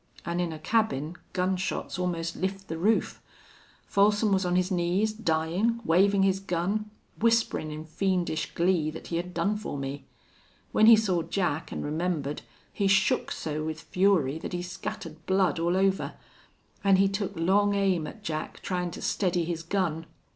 An' in a cabin gun shots almost lift the roof. Folsom was on his knees, dyin', wavin' his gun, whisperin' in fiendish glee that he had done for me. When he saw Jack an' remembered he shook so with fury that he scattered blood all over. An' he took long aim at Jack, tryin' to steady his gun.